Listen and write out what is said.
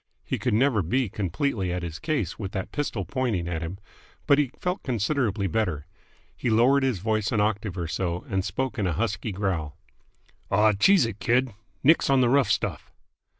He could never be completely at his ease with that pistol pointing at him; but he felt considerably better. He lowered his voice an octave or so, and spoke in a husky growl. "Aw, cheese it, kid. Nix on the rough stuff!"